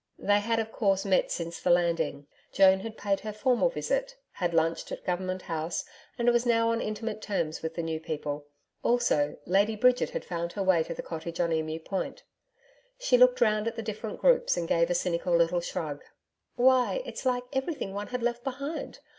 They had of course met since the Landing. Joan had paid her formal visit, had lunched at Government House, and was now on intimate terms with the new people. Also, Lady Bridget had found her way to the cottage on Emu Point. She looked round at the different groups and gave a cynical little shrug. 'Why! it's like everything one had left behind!